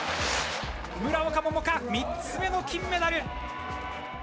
村岡桃佳、３つ目の金メダル。